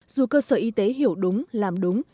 dù cơ sở y tế hiểu đúng làm đúng